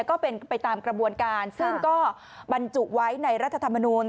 ก็เป็นไปตามกระบวนการซึ่งก็บรรจุไว้ในรัฐธรรมนูล